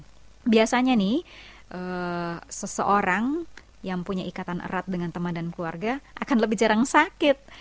dan biasanya nih seseorang yang punya ikatan erat dengan teman dan keluarga akan lebih jarang sakit